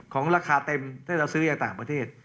ของราคาเต็มถ้าเราซื้อจากต่างประเทศ